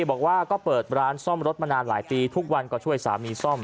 บอกว่าก็เปิดร้านซ่อมรถมานานหลายปีทุกวันก็ช่วยสามีซ่อม